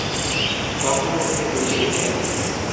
তখনই তিনি বইটি লিখেন।